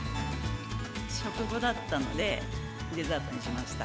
食後だったので、デザートにしました。